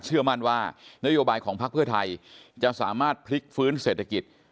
เชื่อมั่นว่านโยบายของพักเพื่อไทยจะสามารถพลิกฟื้นเศรษฐกิจ